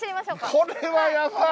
これはやばい！